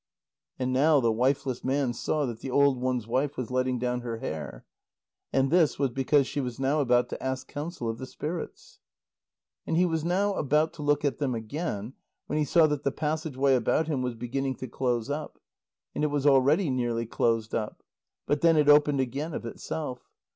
And now the wifeless man saw that the old one's wife was letting down her hair. And this was because she was now about to ask counsel of the spirits. And he was now about to look at them again, when he saw that the passage way about him was beginning to close up. And it was already nearly closed up. But then it opened again of itself.